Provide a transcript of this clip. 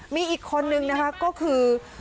มีอีกคนนึงนะคะก็คือ